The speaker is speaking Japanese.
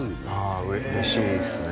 あ嬉しいですね